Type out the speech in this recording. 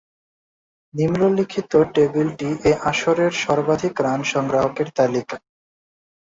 নিম্নলিখিত টেবিলটি এই আসরের সর্বাধিক রান সংগ্রাহকের তালিকা।